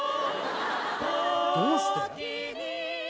どうして？